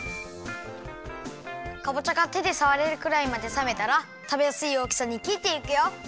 かぼちゃがてでさわれるくらいまでさめたらたべやすいおおきさにきっていくよ。